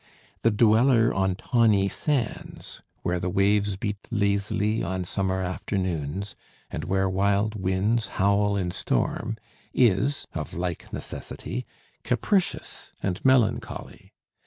The dweller on tawny sands, where the waves beat lazily on summer afternoons and where wild winds howl in storm, is of like necessity capricious and melancholy.